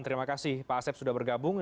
terima kasih pak asep sudah bergabung